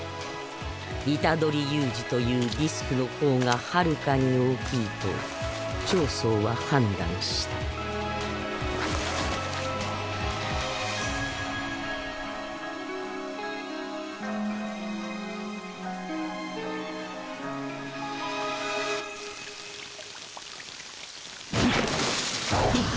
虎杖悠仁というリスクの方がはるかに大きいと脹相は判断したふんっ！